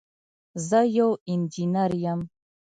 زه یو انجینر یم